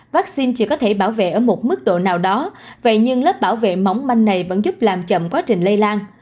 vaccine chỉ có thể bảo vệ ở một mức độ nào đó vậy nhưng lớp bảo vệ móng manh này vẫn giúp làm chậm quá trình lây lan